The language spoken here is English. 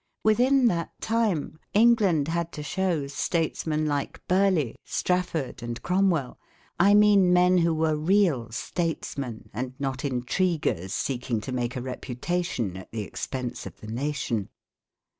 Within that time, England had to show statesmen like Burleigh, Strafford, and Cromwell I mean men who were real statesmen, and not intriguers, seeking to make a reputation at the expense of the nation.